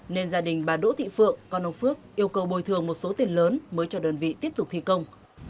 nên gia đình bà đỗ thị phượng con ông phước yêu cầu bồi thường một số tiền lớn mới cho đơn vị tiếp tục thi công